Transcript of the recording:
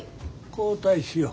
交代しよう。